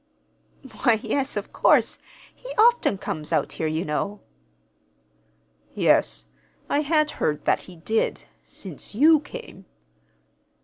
"Why, yes, of course. He often comes out here, you know." "Yes; I had heard that he did since you came."